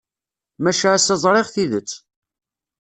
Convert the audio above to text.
Maca ass-a ẓriɣ tidet.